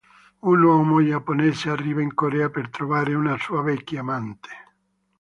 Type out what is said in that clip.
Un uomo giapponese arriva in Corea per trovare una sua vecchia amante.